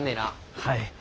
はい。